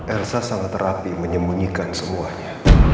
elsa sangat rapi menyembunyikan semuanya